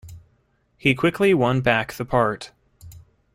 He quickly won back the part.